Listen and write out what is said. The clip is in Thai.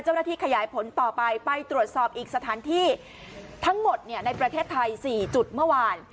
เจ้าหน้าที่ขยายผลต่อไปไปตรวจสอบอีกสถานที่ทั้งหมดในประเทศไทย๔จุดเมื่อวาน